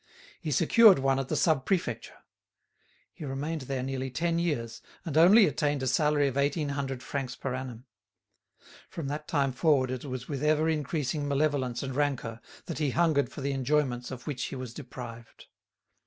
He secured one at the Sub Prefecture. He remained there nearly ten years, and only attained a salary of eighteen hundred francs per annum. From that time forward it was with ever increasing malevolence and rancour that he hungered for the enjoyments of which he was deprived.